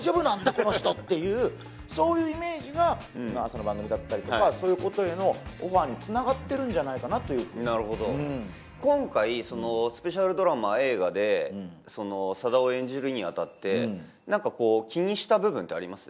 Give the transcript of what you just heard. この人っていうそういうイメージが朝の番組だったりとかそういうことへのオファーにつながってるんじゃないかなとなるほど今回スペシャルドラマ映画で佐田を演じるにあたって気にした部分ってあります？